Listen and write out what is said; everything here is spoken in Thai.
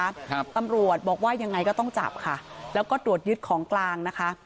ครับตำรวจบอกว่ายังไงก็ต้องจับค่ะแล้วก็ตรวจยึดของกลางนะคะ